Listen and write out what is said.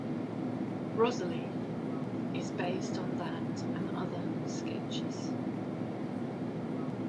Rosalie, is based on that and other sketches.